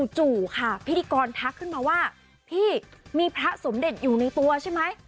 จู่ค่ะพิธีกรทักขึ้นมาว่าพี่มีพระสมเด็จอยู่ในตัวใช่ไหม